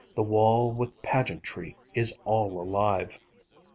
The wall with pageantry is all alive!